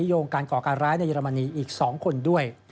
โยงการก่อการร้ายในเรรมนีอีก๒คนด้วย